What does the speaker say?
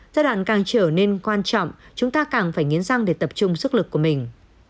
giai đoạn càng trở nên quan trọng chúng ta càng phải nghiến răng để tập trung sức lực của mình